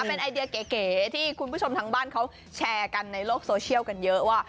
เป็นไอเดียเก๋ที่คุณผู้ชมทางบ้านเขาแชร์กันในโลกโซเชียลกันเยอะว่า